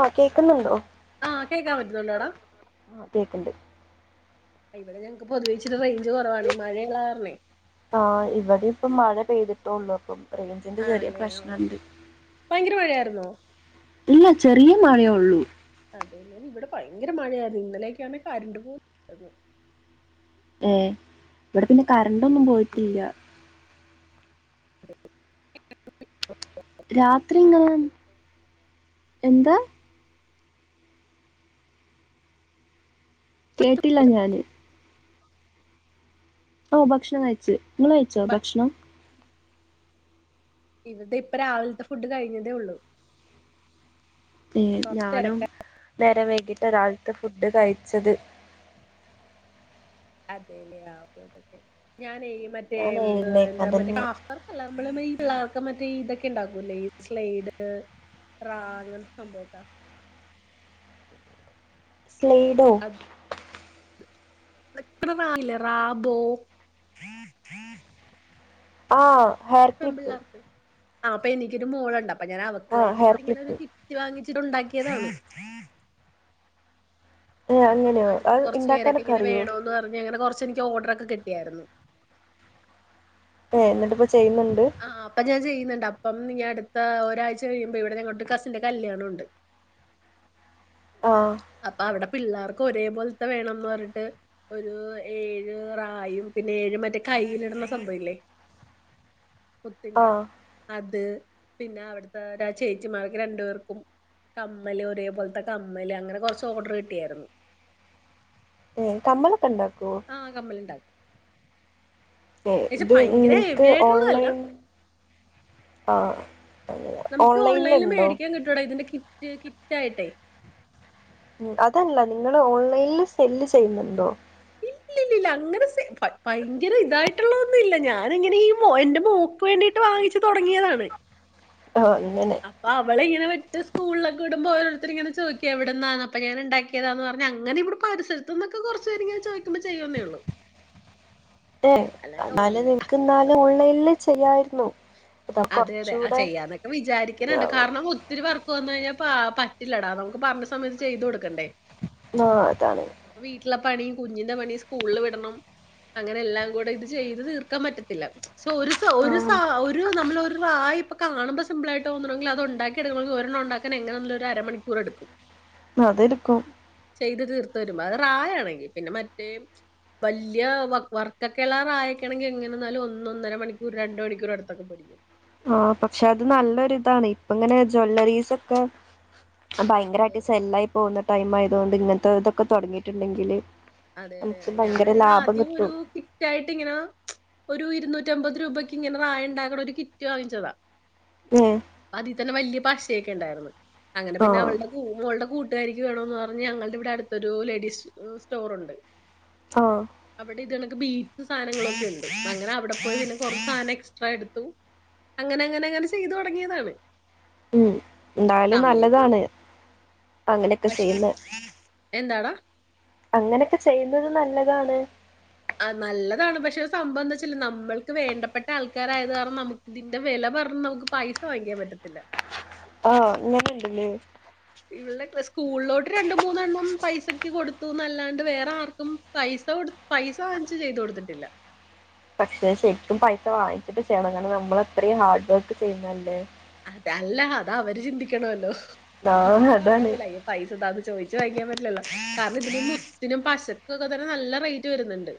ആഹ് കേക്ക്ന്ന്ണ്ടോ? ആഹ് കേക്കാൻ പറ്റുന്നുണ്ടോടാ? ആഹ് കേക്ക്ണ്ട്. ഇവടെ ഞങ്ങക്ക് പൊതുവെ ഇച്ചിരി റെയ്ഞ്ച് കൊറവാണെ. ഈ മഴയ്ള്ള കാരണെ. ആഹ് ഇവടീ പ്പം മഴ പെയ്തിട്ടോള്ളൂ അപ്പം റൈഞ്ചിന്റെ ചെറ്യെ ആണല്ലേ ആഹ് പ്രശ്നണ്ട്. ഭയങ്കര മഴയായ്ര്ന്നോ? ഇല്ല ചെറിയ മഴയൊള്ളൂ. അതെ ല്ലേ. ഇവടെ ഭയങ്കര മഴയായ്ര്ന്നു. ഇന്നലെയൊക്ക്യേണേ കരണ്ടു പോ [unintelligible] ർന്നു. ഏഹ് ഇവടെ പിന്നെ കരണ്ടൊന്നും പോയിട്ടില്ല. [unintelligible] രാത്രി ങ്ങെ, എന്താ? കേട്ടില്ല ഞാന്. ഓഹ് ഭക്ഷണം കയിച്ച്. ഇങ്ങള് കയിച്ചോ ബ ഭക്ഷണം? ഇവിടെ ഇപ്പ രാവിലത്തെ ഫുഡ് കഴിഞ്ഞതേ ഒള്ളൂ. ഏഹ് കൊറച്ച് ഞാനും തിരക്ക നേരം വൈകിട്ടാ രാവിലത്തെ ഫുഡ് കഴിച്ചത്. അതെ ല്ലെ ആഹ് ഓക്കെ ഓക്കെ ഓക്കെ. ഞാനേ ഈ മറ്റേ ഞാൻ എഴുന്നേക്കാൻ എന്താ മറ്റേ തന്നെ കാഫ് വർ അല്ല നമ്മള് [unintelligible] ഈ പിള്ളേർക്ക് മറ്റേ ഇതെക്കെ ഇണ്ടാക്കുലേ ഈ സ്ലൈഡ്, റാ അങ്ങൻത്ത സംഭവൊക്കെ. സ്ലൈഡോ എത്ര നാളില്ലെ റാബോ ഓഹ് ഹോർ പെൺപിള്ളാർക്ക് ആഹ് അപ്പൊ എനിക്കൊര് മോളുണ്ട് അപ്പൊ ഞാൻ അവക്ക് ആഹ് ഹെയർ വേണ്ടീട്ട് ഇങ്ങനൊരു ക്ലിപ്പ് കി റ്റ് വാങ്ങിച്ചിട്ടു ഉണ്ടാക്കിയതാണ് ഏഹ് അപ്പം അങ്ങനെയോ അടുത്ത് അത് കൊറ്ച്ച് പേരൊക്കെ ഇണ്ടാക്കാനൊക്കെ ഇങ്ങനെ അറിയോ വേണോന്ന് പറഞ്ഞ് അങ്ങനെ കൊറ്ച്ച് എനിക്ക് ഓഡ്രക്ക കിട്ടിയാർന്നു ഏഹ് എന്നിട്ടിപ്പൊ ചെയ്യ്ന്ന്ണ്ട് ആഹ് അപ്പ ഞാൻ ചെയ്യ്ന്ന്ണ്ട് അപ്പം ഈ അടുത്ത ഒരാഴ്ച കഴിയുമ്പൊ ഇവിടെ നങ്ങളുടെ കസിന്റെ കല്യാണം ഉണ്ട് ആഹ് അപ്പൊ അവിടെ പിള്ളാർക്ക് ഒരേപോല്ത്തെ വേണംന്ന് പറഞ്ഞിട്ട് ഒരു ഏഴ് റായും പിന്നെ ഏഴും മറ്റെ കയ്യിലിട്ന്ന സംഭവില്ലെ കുത്തിന്റെ ആഹ് അത് പിന്ന അവിട്ത്താ ചേച്ചിമാര്ക്ക് രണ്ടു പേർക്കും കമ്മല് ഒരേ പോല്ത്ത കമ്മല് അങ്ങനെ കൊറ്ച്ച് ഓഡ്ര് കിട്ടിയാര്ന്നു ഏഹ് കമ്മലൊക്ക ഇണ്ടാക്കോ ആഹ് കമ്മല്ണ്ടാ ഏഹ് ഇത് ഭയങ്കര ഇങ്ങൻത്തെ ഹെവി ആയിട്ടുള്ളതല്ല ഓൺലൈൻ ആഹ് അങ്ങനെ നമുക്ക് ഓൺലൈൻൽ ഓൺലൈനിലുണ്ടോ മേടിക്കാ കിട്ടുവെടാ ഇതിന്റെ കിറ്റ് കിറ്റായിട്ടെ ഉം അതുല്ല നിങ്ങള് ഓൺലൈൻല് സെല്ല് ചെയ്യുന്നുണ്ടൊ ഇല്ലില്ലില്ല അങ്ങനെ സെ ഭയങ്കര ഇതായിട്ടുള്ള ഒന്നും ഇല്ല ഞാനങ്ങനെ ഈ എന്റെ മോ ക്ക് വേണ്ടീട്ട് വാങ്ങിച്ച് തൊടങ്ങിയതാണ് ആഹ് അങ്ങനെ അപ്പൊ അവളിങ്ങനെ വിട്ട് സ്കൂള്ലൊക്ക ഇടുമ്പൊ ഓരോരുത്തര് ഇങ്ങനെ ചോയ്ക്കും എവിടുന്നാണ് അപ്പ ഞാനിണ്ടാക്കി ആക്കിയതാന്ന് പർഞ്ഞ അങ്ങന ഇവിടെ പരിസരത്ത്ന്നൊക്ക കൊറ്ച്ച് പേരിങ്ങന ചോയിക്കുമ്പൊ ചെയ്യുന്നേള്ളു ഏഹ് എന്നാല ഓൺലൈ നിനക്ക് എന്നാലും ഓൺലൈനില് ചെയ്യാര്ന്നു അതെ അതെ ആഹ് ചെയ്യാന്നൊക്ക വിചാരിക്ക്ണ്‌ണ്ട് ഇതാവും കാര്ണം ഉ ഒത്തിരി വർക്ക് വന്നു കയിഞ്ഞ പാ പറ്റില്ലെടാ നമുക്ക് പറ്ഞ്ഞ സമയത്ത് ചെയ്തു കൊടുക്കണ്ടെ ആഹ് അതാണ് അപ്പൊ വീട്ടിലെ പണിം കുഞ്ഞിന്റെ പണിം സ്കൂള്ല് വിടണം അങ്ങനെ എല്ലാം കൂടെ ഇത് ചെയ്ത് തീർക്ക പറ്റത്തില്ല സൊ ഒരു സോ ഒരു ആഹ് സോ ഒര് ആയി ഇപ്പൊ കാണുമ്പൊ സിമ്പിളായിട്ടോന്ന്ണെങ്കില് അത്ണ്ടാക്കി എടുക്കുമ്പളേക്ക് ഒരെണ്ണം ഉണ്ടാക്കൻ എങ്ങനാണേലും ഒരു അരമണിക്കൂറെടുക്കും അതെടുക്കും ചെയ്ത് തീർത്ത് വരുമ്പൊ അത് റായാണെങ്കി പിന്നെ മറ്റേ വല്യെ വ വർക്കൊക്കള്ള റായൊക്കെയാണെങ്കി എങ്ങനെന്നാലും ഒന്നൊന്നര മണിക്കൂർ രണ്ട് മണിക്കൂർ അടുത്തൊക്കെ പിടിക്കും ആഹ് പക്ഷെ അത് നല്ലൊരിതാണ് ഇപ്പ ഇങ്ങനെ ജ്വല്ലറീസൊക്കെ അതെ ഭയങ്കരമായിട്ട് അതെ സെല്ലായി പോവുന്ന ടൈമായതോണ്ട് ഇങ്ങൻത്ത ഇതൊക്ക തൊടങ്ങീട്ട്ണ്ടെങ്കില് അതെ അതെ അതെ ഞാനങ്ങനെ ആദ്യം ഒരു കിറ്റായിട്ട് ഇങ്ങനാ ഒരു ഇരുന്നൂറ്റിമ്പത് രൂപയ്ക്ക് ഇങ്ങനെ റായുണ്ടാക്ക്ണ ഒരു കിറ്റ് വാങ്ങിച്ചത ഉം അതി തന്നെ വല്യ പശയെക്ക ഇണ്ടാര്ന്ന് അങ്ങനെ പിന്ന ആഹ് അവള്ടെ മോള്ടെ കൂട്ടുകാരിക്ക് വേണോന്ന് പർഞ്ഞ് ഞങ്ങള്ടെ ഇവിടെ അടുത്തൊരൂ ലേഡീസ് സ്റ്റോറുണ്ട് ആഹ് അവിടെ ഇത് കണക്ക് ബീറ്റ്സ് സാധനങ്ങളൊക്കെ ഉണ്ട് അങ്ങനെ അവിടെ പോയി പിന്നെ കൊറാച്ച് സാധനം എക്സ്ട്രാ എടുത്തു അങ്ങനങ്ങനങ്ങന ചെയ്തു തൊടങ്ങിയ്വതാണ് ഉം എന്തായാലും പോവും നല്ലതാണ് അങ്ങനെക്കെ പക്ഷേ ചെയ്യ്ന്നെ എന്താടാ അങ്ങനെക്കെ ചെയ്യ്ന്നത് നല്ലതാണ് ആഹ് നല്ലതാണ് പക്ഷെ സംഭവം എന്താ വെച്ചാല് നമ്മൾക്ക് വേണ്ടപ്പെട്ട ആൾക്കാരായത് കാരണം നമക്ക് ഇതിന്റെ വെല പറഞ്ഞു നമുക്ക് പൈസ വാങ്ങിക്കാൻ പറ്റത്തില്ല ആഹ് നൂല് ഇണ്ട്ല്ലേ ഇവളെ സ്കൂളിലോട്ട് രണ്ട് മൂന്നെണ്ണം പൈസക്ക് കൊടു ന്നല്ലാണ്ട് വേറെ ആർക്കും പൈസ കൊട് പൈസ വാങ്ങിച്ച് ചെയ്ത് കൊടുത്തിട്ടില്ല പക്ഷെ ശരിക്കും പൈസ വാങ്ങിച്ചിട്ട് ചെയ്യണം അങ്ങനെ നമ്മൾ അത്രയും ഹാർഡ് വർക്ക് ചെയ്യുന്നല്ലേ അതല്ലാ അത് അവര് ചിന്തിക്കണല്ലോ ഞാനും അതാണ് പൈസ ഇതാന്ന് ചോദിച്ചു വാങ്ങിക്കാൻ പറ്റില്ലല്ലോ കാരണം ഇതിന്റെ മുത്തിനും പശക്കും ഒക്കെ തന്നെ നല്ല റേറ്റ് വരുന്നുണ്ട്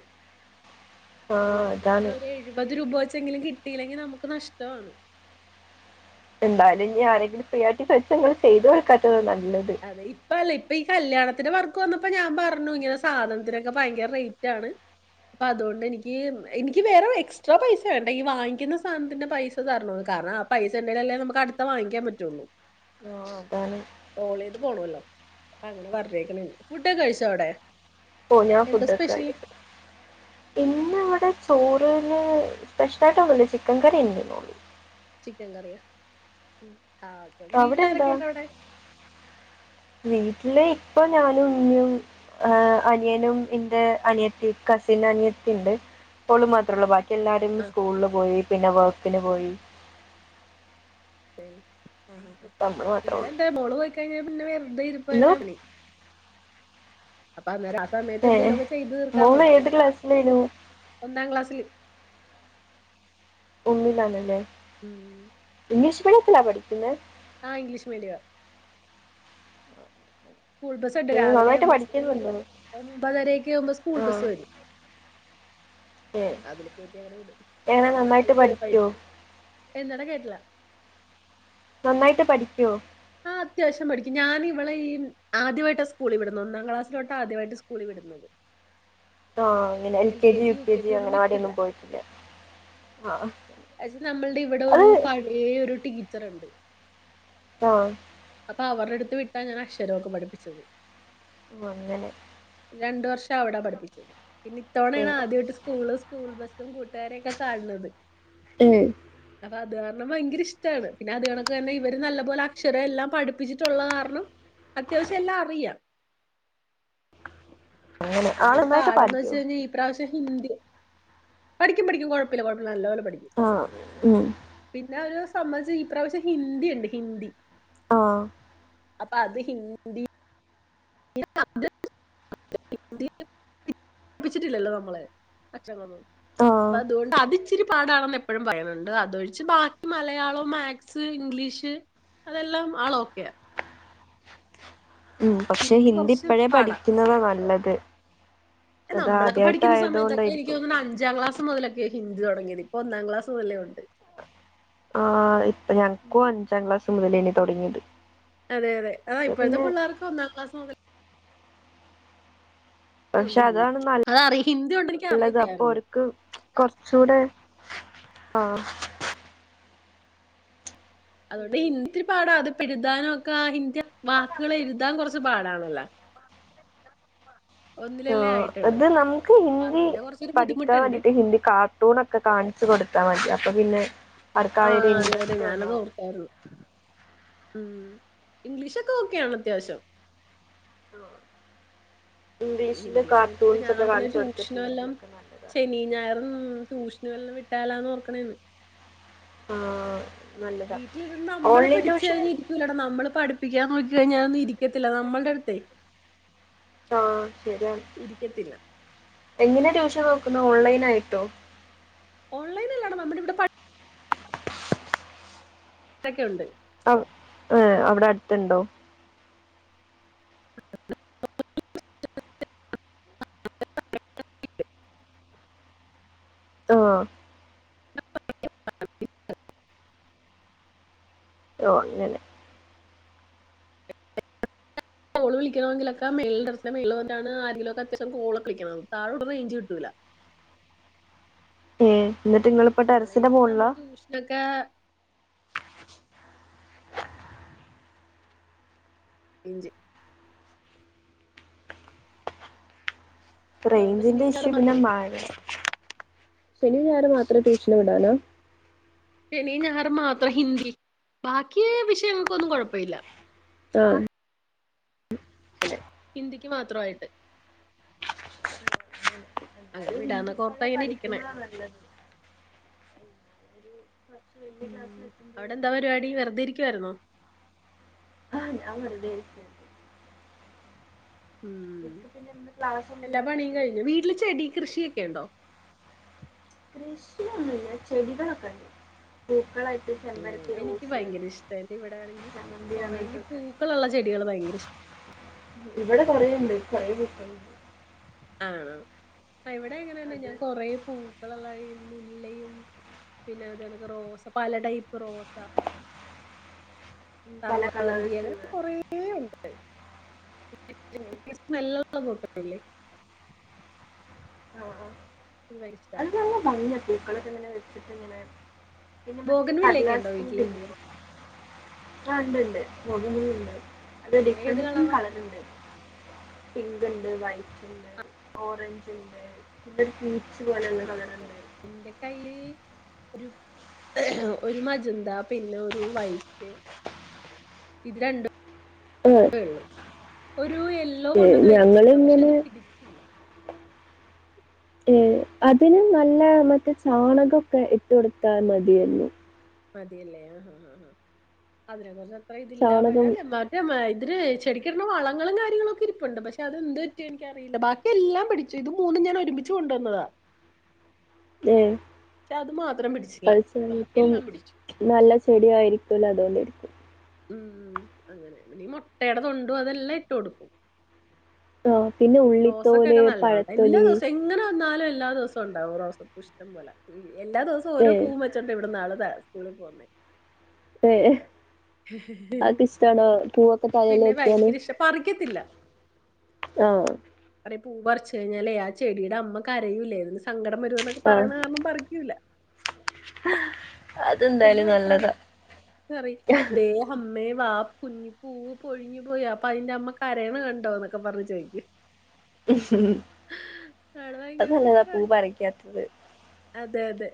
അപ്പൊ ആഹ് ഒരണ്ണത്തിന് അതാണ്. ഒരു എഴുപത് രൂപ വെച്ചെങ്കിലും കിട്ടിയില്ലെങ്കിൽ നമുക്ക് നഷ്ടമാണ് എന്തായാലും നീ ആരെങ്കിലും ഫ്രീയാട്ട് സെറ്റൊന്നും ചെയ്ത് കൊടുക്കാത്തത് നല്ലത് അതെ ഇപ്പ അല്ല ഇപ്പ ഈ കല്യാണത്തിന്റെ വർക്ക് വന്നപ്പോ ഞാൻ പറഞ്ഞു ഇങ്ങനെ സാധനത്തിനൊക്കെ ഭയങ്കര റേറ്റ് ആണ് അപ്പൊ അതുകൊണ്ട് എനിക്ക് എനിക്ക് വേറെ എക്സ്ട്രാ പൈസ വേണ്ട ഈ വാങ്ങിക്കുന്ന സാധനത്തിന്റെ പൈസ തരണന്ന് കാരണം ആഹ് പൈസ ഉണ്ടേലെല്ലേ നമുക്ക് അടുത്ത വാങ്ങിക്കാൻ പറ്റുള്ളൂ ആഹ് അതാണ് ഓൾ ചെയ്ത് പോകണല്ലോ അങ്ങനെ വരച്ചേക്ക്ണാണ് ഫുഡൊക്കെ കഴിച്ചോ അവിടെ ഓഹ് ഞാ എന്താ ഫുഡ് ഒക്കെ ആയി സ്പെഷ്യല്? ഇന്ന് ഇവിടെ ചോറിന് സ്പെഷ്യലായിട്ട് ഒന്നൂല്ല ചിക്കൻ കറീണ്ട്ന്നൊള്ളൂ ചിക്കൻ കറിയോ ആഹ് ഓക്കെ അവിടെ എന്താ വീട്ടിലാരൊക്കെണ്ട് അവിടെ [inaudible] വീട്ടില് ഇപ്പൊ ഞാനും ഉമ്മയും ഏഹ് അനിയനും ഇന്റെ അനിയത്തി കസിൻ അനിയത്തി ഉണ്ട് അപ്പോളും മാത്രമൊള്ളൂ ബാക്കി എല്ലാരും സ്കൂളിൽ പോയി പിന്നെ വർക്കിന് പോയി ഏഹ് ആഹ് ആഹ് ഇപ്പ നമ്മള് മാത്രേ ഇവിടെ ഉള്ളൂ എന്താ മോള് പോയിക്കഴിഞ്ഞാ പിന്നെ വെർ തെ ഇന്ന് ഇരിപ്പെന്നെ പണി അപ്പൊ അന്നേരം ആഹ് സമയത്ത് ഏഹ് എന്തേലും ഒക്കെ ചെയ്തു തീർക്കാൻ മോള് നോക്കും ഏത് ക്ലാസ്സിലേനു ഒന്നാം ക്ലാസ്സില് ഒന്നിലാണ് ലെ ഉം ഇംഗ്ലീഷ് മീഡിയത്തിലാ പഠിക്കുന്നെ ആഹ് ഇംഗ്ലീഷ് മീഡിയം സ്കൂൾ ബസ് ഉണ്ട് ഏഹ് രാവിലെ നന്നായിട്ട് ഒരു പഠിക്കുന്നുണ്ടോ ഒമ്പതരെക്കെ ആവുമ്പോ സ്കൂൾ ബസ്സ് ആഹ് വരും ഏഹ് അതില് കേറ്റി അങ്ങട് വിടും എങ്ങനെ പിന്നെ നന്നായിട്ട് പഠിക്കോ നാലട്ടിയായിട്ടൊക്കെ വരും എന്താണ് കേട്ട്ല നന്നായിട്ട് പഠിക്കോ ആഹ് അത്യാവശ്യം പഠിക്കും ഞാന് ഇവിടെ ഈ ആദ്യമായിട്ടാ സ്കൂളി വിടുന്നത് ഒന്നാം ക്ലാസ്സിലോട്ടാ ആദ്യമായിട്ട് സ്കൂളിൽ വിടുന്നത് ആഹ് അങ്ങനെ L K G U K G അംഗലവാടിയൊന്നും പോയിട്ടില്ല ആഹ് അത് നമ്മളുടെ ഇവിടെ അത് ഒരു പഴേ ഒരു ടീച്ചറുണ്ട് ആഹ് അപ്പൊ അവരുടെ അടുത്ത് വിട്ടാ ഞാൻ അക്ഷരൊക്കെ പഠപ്പിച്ചത് ഓഹ് അങ്ങനെ രണ്ട് വർഷം അവിടാ പഠിപ്പിച്ചത് പിന്നെ ഇത്തവണയാണ് ശരി ആദ്യമായിട്ട് സ്കൂളും സ്കൂൾ ബസ്സും കൂട്ടുകാരെയൊക്കെ കാണുന്നത് ഏഹ് അപ്പൊ അത് കാരണം ഭയങ്കര ഇഷ്ടമാണ് പിന്നെ അത് കണക്ക് തന്നെ ഇവര് നല്ല പോലെ അക്ഷരം എല്ലാം പഠിപ്പിച്ചിട്ടുള്ള കാരണം അത്യാവശ്യം എല്ലാം അറിയാം അങ്ങനെ ആള് പിന്നെരു നന്നായിട്ട് പാഠംന്ന് പഠിക്കോ വെച്ച് കഴിഞ്ഞാൽ ഈ പ്രാവശ്യം ഹിന്ദി പഠിക്കും പഠിക്കും കുഴപ്പല്ല കുഴപ്പല്ല നല്ല പോലെ പഠിക്കും. ആ ഉം പിന്നെ ഒരു സംബന്ധിച്ച് ഈ പ്രാവശ്യം ഹിന്ദിണ്ട് ഹിന്ദി. ആഹ അപ്പൊ അത് ഹിന്ദി [unintelligible] [unintelligible] പഠിപ്പിച്ചിട്ടില്ലല്ലോ നമ്മള് അക്ഷങ്ങളൊന്നും. ആഹ് അതുകൊണ്ട് അത് ഇച്ചിരി പാടാണെന്ന് എപ്പോഴും പറയുന്നുണ്ട് അതൊഴിച്ച് ബാക്കി മലയാളം മാക്സ്, ഇംഗ്ലീഷ് അതെല്ലാം ആള ഓക്കെയ ഉം പക്ഷേ ഹിന്ദി കുറച്ച് ഇപ്പോഴേ പാടാ പഠിക്കുന്നതാ നല്ലത്. അത് നമ്മളക്കെ ആദ്യായിട്ട് പഠിക്കുന്ന സമയത്തൊക്ക എനിക്ക് ആയതുകൊണ്ടായിരിക്കും തോന്ന്ണ അഞ്ചാം ക്ലാസ് മുതലെ ഹിന്ദി തുടങ്ങിയത് ഇപ്പൊ ഒന്നാം ക്ലാസ് മുതലെ ഉണ്ട് ആ് ഇപ്പൊ ഞങ്ങക്കും അഞ്ചാം ക്ലാസ് മുതലേനി തുടങ്ങിയത്. അതെ അതെ ആ ഇപ്പോഴത്തെ പിള്ളേർക്ക് ഒന്നാം ക്ലാസ് മുതൽ പക്ഷേ ഉണ്ട് ഹിന്ദി അതാണ് ന അതറിയ ഹിന്ദി കൊണ്ട് എനിക്ക് നല്ലത് അപ്പൊ അറിയത്തില്ലായിരുന്നു ഒരു ഓര്ക്ക് കൊറച്ചുകൂടെ ആഹ അതുകൊണ്ട് ഹിന്ദി പാടാ അത് പെഴുതാനും ഒക്കെ ആ ഹിന്ദി വാക്കുകള എഴുതാൻ കുറച്ച് പാടാണല്ലോ. ആ ഒന്നിലല്ലേ ആയിട്ടുള്ളൂ അത് നമുക്ക് അപ്പൊ ഹിന്ദി അതിന്റെ കുറച്ചൊരു പഠിക്കാൻ ബുദ്ധിമുട്ടുണ്ട് വേണ്ടിട്ട് ഹിന്ദി കാ ട്ടൂൊക്കെ കാണിച്ച് കൊടുത്താൽ മതി അപ്പൊ പിന്നെ അവർക്ക് ആ ആഹ ഒരു അതെ അതെ ഇൻട്രസ്റ്റ് ഞാനത് വന്നോളും ഓർത്തായിരുന്നു. മ് ഇംഗ്ലീഷൊക്കെ ഓക്കെയാണ് അത്യാവശ്യം ഇംഗ്ലീഷില് ഹിന്ദിയുടെ ഇനിയിപ്പോ കാർട്ടൂൺസ് ഞാൻ ഒക്കെ ഓർക്കണേ കാണിച്ചു ട്യൂഷന് വല്ലോം കൊടുത്തിട്ടുണ്ടെങ്കിലൊക്കെ നല്ലതാ. ശനി ഞായറും ടൂഷന് വെല്ലം വിട്ടാലാന്ന് ഓർക്കണേന്ന് ആ നല്ലതാ ഓൺലൈൻ ടൂഷന് ടാ നമ്മള് പഠിപ്പിക്കാൻ നോക്കി കഴിഞ്ഞാ ഇരിക്കത്തില്ല നമ്മളുടെ അടുത്തെ ആഹ ശരിയാണ്, ഇരിക്കത്തില്ല എങ്ങനെ ട്യൂഷൻ നോക്കുന്ന ഓൺലൈൻ ആയിട്ടോ? ഓൺലൈനല്ല നമ്മടെ ഇവിടെ പ ൊക്കെ ഉണ്ട് ഏ അവിടെ അടുത്തുണ്ടോ? [inaudible] ആഹ് ഓ അങ്ങനെ കോള് വിളിക്കണമെങ്കിലക്കെ മേളില് ടെറസിൻ്റെ മേളിൽ വന്നിട്ടാണ് ആരെങ്കിലുക്കെ അത്യാവശ്യം കോളൊക്കെ വിളിക്കണത് താഴോട്ട് റേഞ്ച് കിട്ടൂല്ല. ഏ എന്നിട്ട് നിങ്ങള്പ്പോ ടെറസിന്റെ ഓൺലൈനിൽ മോള് ള്ള? [unintelligible] [unintelligible] ഇതാവുമ്പോ റേഞ്ചന്റെ ശനിയും ഇഷ്യു ഞായറും പിന്നെ മാത്രേ [unintelligible] ശനി ഞായറും മാത്രേ ട്യൂഷന് വിടാനാ? ശനി ഞായറും മാത്രം ഹിന്ദി ബാക്കി വിഷയങ്ങൾക്കൊന്നും കുഴപ്പമില്ല. ആ ഹിന്ദിക്ക് മാത്രമായിട്ട് അങ്ങനെ വിടാന്നക്കെ ഓ പഠിക്കുന്നതാ നല്ലത് എന്നാലും ഒരു കുറച്ച് വലിയ ഉ ക്ലാസ്സിൽ അവിടെ എത്തുമ്പോഴേക്കും എന്താ പരിപാടി വെറുതെ ഇരിക്കുവായിരുന്നോ? ആഹ ഞാൻ വെറുതെ ഇരിക്ക ഉംഹ് എനിക്ക് പിന്നെ ഇന്ന് ക്ലാസ് ഒന്നും എല്ലാ പണിയും ഇല്ലാത്തതുകൊണ്ട് കഴിഞ്ഞു വീട്ടിൽ തന്നെ വീട്ടില് ചെടി കൃഷിയൊക്കെ ഉണ്ടോ കൃഷിയൊന്നുമില്ല ചെടികൾ ഒക്കെയൊണ്ട് പൂക്കളായിട്ട് ഉം ചെമ്പരത്തി, എനിക്ക് റോസ്, ഭയങ്കര ഇഷ്ടാ എന്റെ ഇവിടെ ആണെങ്കി ജമ്മന്തി കൊറേ ഈ അങ്ങനെത്തെ ഒക്കെ പൂക്കളുള്ള ചെടികൾ ഭയങ്കര ഇഷ്ടം ഇവ്ടെ കൊറെയൊണ്ട് കൊറെ പൂക്കൾ ആഹ് ഇവ്ടെ എങ്ങനെ തന്നെ അത് ഞാൻ കോറെ പൂ [unintelligible] മുല്ലയും പിന്നെ അതുപോണക്ക് റോസ പല ടൈപ്പ് റോസ പല സർവ്വഗന്തി കളേഴ്സ് അങ്ങനെ ഉള്ള കോറെ ഒണ്ട് ഉം നല്ല പോലെ നോക്കത്തില്ലയ് ആഹ ആഹ് എനിക്ക് ഭയങ്കര അല്ല അല്ല ഇഷ്ടാ ഭംഗിയാ പൂക്കളൊക്കെ അങ്ങനെ വെച്ചിട്ടിയിങ്ങനെ. പിന്നെ മറ്റേ ബോഗൺവില്ലയൊക്കെ കടലാസ് ഉണ്ടോ വീട്ടില് പൂവിയില്ലയോ ആഹ് ഒണ്ട്ണ്ട് ബോബൻവില്ലയിണ്ട് അത് ആ, ഡിഫ്റെന്റ് ഏത് ഡിഫ്റെന്റ് കളറാ കളർ ഉണ്ട് പിങ്ക് ഉണ്ട്, വൈറ്റ് ഉണ്ട്, ഓറഞ്ച്. ഇണ്ട് പിന്നെ പീച്ച് പോലെ ഉള്ള ആ കളർ ഉണ്ട്. എന്റെ കയ്യിൽ ഒരു. ഒരു മജന്ത പിന്നെ ഒരു വൈറ്റ് ഇത് രണ്ടും. ഉള്ളു ഒരു യെല്ലോ കൊണ്ടന്ന് ഞങ്ങൾ വച്ചുട്ടോ പക്ഷെ ഇങ്ങനെ അത് പിടിച്ചില്ല. ഏഹ് അതിന് നല്ല മറ്റേ ചാണകം ഒക്കെയിട്ട് കൊടുത്താൽ മതിയെന്ന്. മതിയല്ലേ ആഹ് ആഹ് ആഹ് ആഹ് അതിനെ കുറിച്ച് അത്ര ഇതില്ല ചാണകം പക്ഷേ [unintelligible] മതിര് ചെടിക്ക് ഇടുന്ന വളങ്ങളും കാര്യങ്ങളൊക്കെ ഇരിപ്പുണ്ട് പക്ഷെ അത്എന്ത് പറ്റി എനിക്കറി ബാക്കി എല്ലാം പിടിച്ചു ഇത് മൂന്നും ഞാൻ ഒരുമിച്ച് കൊണ്ടുവന്നതാ. ദേ പക്ഷെ അത് മാത്രം പിടിച്ചില്ല ബാക്കിയെല്ലാം പിടിച്ചു. നല്ല ചെടി ആയിരിക്കൂല അതോണ്ടാരിക്കും. ഉംഹ് അങ്ങനെ മുട്ടയെടെ തൊണ്ടും അതെല്ലാം ഇട്ടു കൊടുക്കും. ആഹ് പിന്നെ ഉഴു ദോസക്കൊക്കെ നല്ലതണ് എല്ലാം ദോസയും ഇങ്ങനെ വന്നാലും എല്ലാ ദിവസം ഒണ്ടാവും റോസ്പൂ ഇഷ്ടം പോലെ എല്ലാ ദിവസവും ഓരോ ഏഹ് പൂവും വച്ച് എന്താ ഇവിടെന്ന് നാളെ സ്കൂളിൽ പോന്നേ. ഏഹ് അൾക്ക്‌ ഇഷ്ടണോ പൂവൊക്കെ തലേല് പിന്നെ വെക്കാന്. ഭയങ്കര ഇഷ്ട പറിക്കത്തില്ല ആഹ് അതെ പൂപറിച്ചു കഴിഞ്ഞാലേ ആ ചെടിയുടെ അമ്മ കരയൂലെന്ന് സങ്കടം വരൂന്നൊക്കെ പറയണ കാരണം പറിക്കൂല്ല. അത് എന്ന് എന്തായാലും ഭർത്താവിനോട് നല്ലതാ. പറയും ദേ അമ്മേ വാ കുഞ്ഞി പൂവ് പൊഴിഞ്ഞി പോയി അപ്പൊ അതിന്റെ അമ്മ കരയണെ കണ്ടോ എന്ന് പറഞ്ഞു ചോദിക്കും ആള് അത് ഭയങ്കര നല്ലതാ പൂ സൂപ്പറാണ് പറിക്കാത്തത്. അതെ അതെ.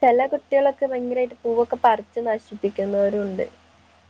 ചില കുട്ടികളൊക്കെ ഭയങ്കരയായിട്ട് പൂവൊക്കെ പറിച്ച് നശിപ്പിക്കുന്നവരും ഉണ്ട്.